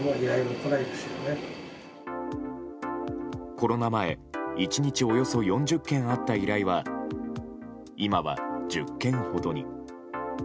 コロナ前１日およそ４０件あった依頼は今は１０件ほどに。